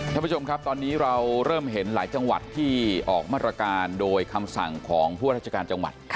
ท่านผู้ชมครับตอนนี้เราเริ่มเห็นหลายจังหวัดที่ออกมาตรการโดยคำสั่งของพวกราชการจังหวัด